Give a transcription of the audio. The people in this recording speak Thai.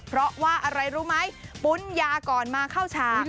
เพราะว่าอะไรรู้ไหมปุ้นยาก่อนมาเข้าฉาก